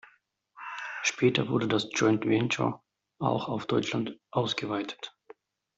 Später wurde das Joint Venture auch auf Deutschland ausgeweitet.